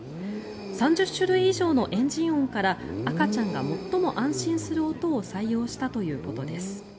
３０種類以上のエンジン音から赤ちゃんが最も安心する音を採用したということです。